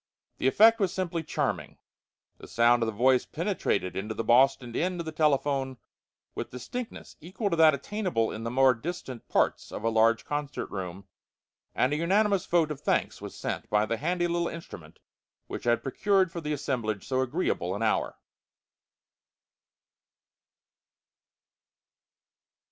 The effect was simply charming. The sound of the voice penetrated into the Boston end of the telephone with a distinctness equal to that attainable in the more distant parts of a large concert room, and a unanimous vote of thanks was sent by the handy little instrument which had procured for the assemblage so agreeable an hour.